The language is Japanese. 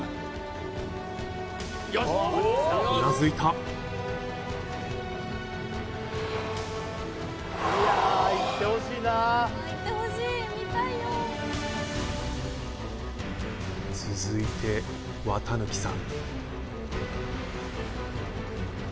うなずいたフーッ続いて綿貫さん